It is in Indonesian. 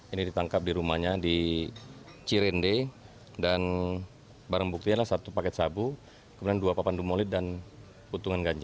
ini ditangkap di rumahnya di cirende dan barang buktinya adalah satu paket sabu kemudian dua papan dumolit dan putungan ganja